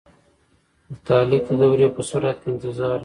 د تعلیق د دورې په صورت کې انتظار وي.